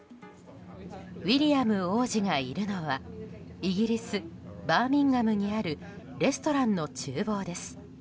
ウィリアム王子がいるのはイギリス・バーミンガムにあるレストランの厨房です。